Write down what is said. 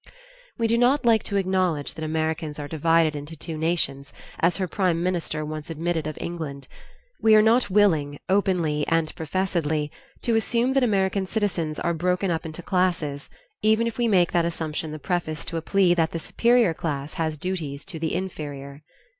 We do not like to acknowledge that Americans are divided into two nations, as her prime minister once admitted of England. We are not willing, openly and professedly, to assume that American citizens are broken up into classes, even if we make that assumption the preface to a plea that the superior class has duties to the inferior.